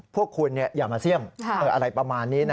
พวกคุณอย่ามาเสี่ยมอะไรประมาณนี้